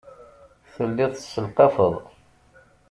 Telliḍ tesselqafeḍ.